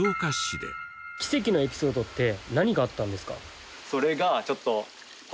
奇跡のエピソードって何があったんですか？